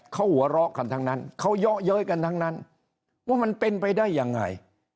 เขาหัวเราะกันทั้งนั้นเขาเยาะเย้ยกันทั้งนั้นว่ามันเป็นไปได้ยังไง